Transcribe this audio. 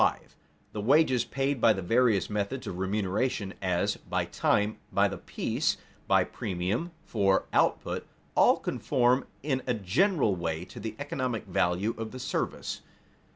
_The wages paid by the various methods of remuneration as, by time, by the piece, by premium for output all conform in a general way to the economic value of the service.